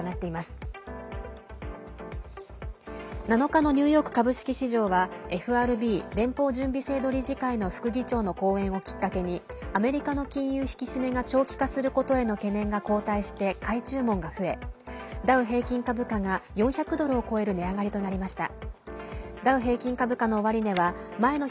７日のニューヨーク株式市場はＦＲＢ＝連邦準備制度理事会の副議長の講演をきっかけにアメリカの金融引き締めが長期化することへの懸念が後退して買い注文が増えダウ平均株価が４００ドルを超える値上がりとなりました。